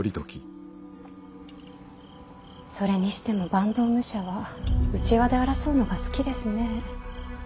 それにしても坂東武者は内輪で争うのが好きですね。